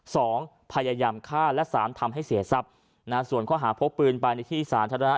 พยายามฆ่าและสามทำให้เสียทรัพย์นะฮะส่วนข้อหาพกปืนไปในที่สาธารณะ